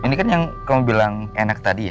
ini kan yang kamu bilang enak tadi ya